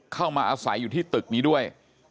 เข้ามาอาศัยอยู่ที่ตึกนี้ด้วย